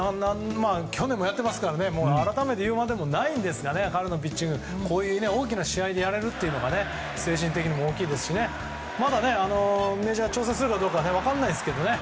去年もやってますから改めて言うまでもないですが彼のピッチングこういう大きな試合でやれるのが精神的にも大きいですしまだメジャーに挑戦するかどうか分からないですからね。